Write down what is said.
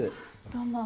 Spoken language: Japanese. どうも。